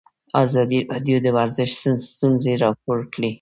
ازادي راډیو د ورزش ستونزې راپور کړي.